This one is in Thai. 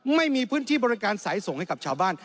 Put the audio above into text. ไม่มีพื้นที่บริการสายส่งให้กับชาวบ้าน